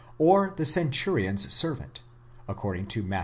or the cen turion's servant, according to Matt.